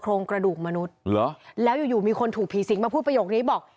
โครงกระดูกมนุษย์เหรอแล้วอยู่อยู่มีคนถูกผีสิงมาพูดประโยคนี้บอก